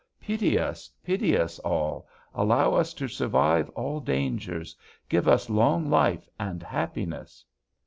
Pity us! Pity us all! Allow us to survive all dangers! Give us long life and happiness!'